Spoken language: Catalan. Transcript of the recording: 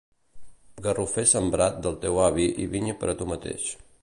Garrofer sembrat del teu avi i vinya per tu mateix.